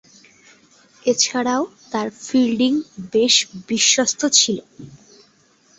এছাড়াও, তার ফিল্ডিং বেশ বিশ্বস্ত ছিল।